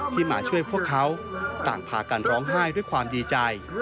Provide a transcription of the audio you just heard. มาช่วยพวกเขาต่างพากันร้องไห้ด้วยความดีใจ